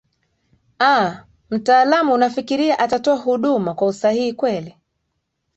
a mtaalam unafikiria atatoa hunduma kwa usahihi kweli